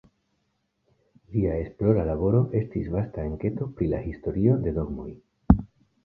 Lia esplora laboro estis vasta enketo pri la historio de dogmoj.